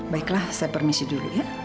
baiklah saya permisi dulu ya